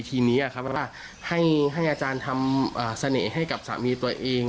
ทีนี้ว่าให้อาจารย์ทำเสน่ห์ให้กับสามีตัวเอง